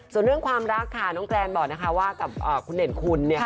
ส่วนเรื่องความรักค่ะน้องแกรนบอกนะคะว่ากับคุณเด่นคุณเนี่ย